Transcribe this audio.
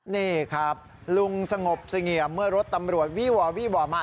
นี่ครับลุงสงบเมื่อรถตำรวจวีบอว์มา